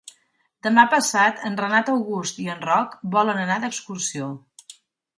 Demà passat en Renat August i en Roc volen anar d'excursió.